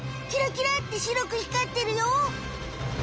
キラキラって白くひかってるよ。